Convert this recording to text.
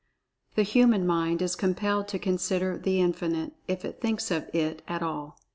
The human mind is compelled to so consider The Infinite, if it thinks of It at all.